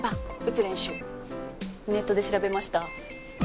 ネットで調べました。